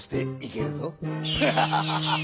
フハハハハハハ！